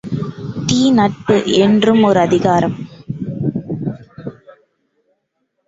தீ நட்பு என்றும் ஒரு அதிகாரம்!